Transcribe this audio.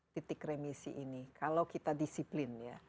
titik remisi ini kalau kita disiplin ya